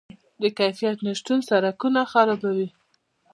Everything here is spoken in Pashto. د کیفیت نشتون سرکونه خرابوي.